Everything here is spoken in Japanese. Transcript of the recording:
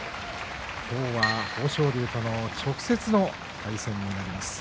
今日は豊昇龍との直接の争いになります。